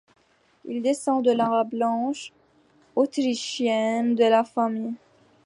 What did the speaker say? Il descend de la branche Autrichienne de la famille.